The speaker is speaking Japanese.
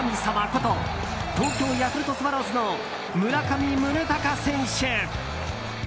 こと東京ヤクルトスワローズの村上宗隆選手。